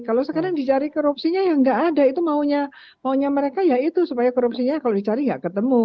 kalau sekarang dicari korupsinya yang nggak ada itu maunya mereka ya itu supaya korupsinya kalau dicari ya ketemu